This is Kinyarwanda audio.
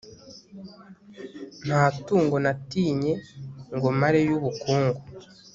nta tungo natinye ngo mareyo ubukungu